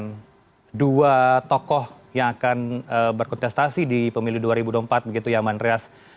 kedua tokoh yang akan berkontestasi di pemilih dua ribu empat begitu ya man rias